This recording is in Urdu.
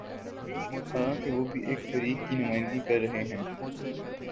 حالانکہ وہ بھی ایک فریق کی نمائندگی کر رہے ہیں۔